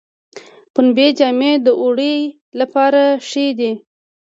پنبې جامې د اوړي لپاره ښې دي